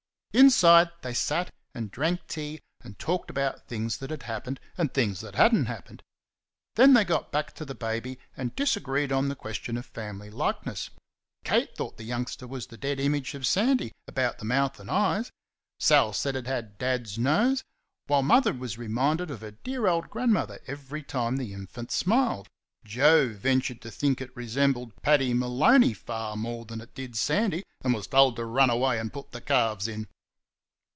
Inside they sat and drank tea and talked about things that had happened and things that had n't happened. Then they got back to the baby and disagreed on the question of family likeness. Kate thought the youngster was the dead image of Sandy about the mouth and eyes. Sal said it had Dad's nose; while Mother was reminded of her dear old grandmother every time the infant smiled. Joe ventured to think it resembled Paddy Maloney far more than it did Sandy, and was told to run away and put the calves in.